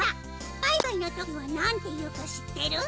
バイバイのときはなんて言うか知ってる？